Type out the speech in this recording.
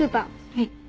はい。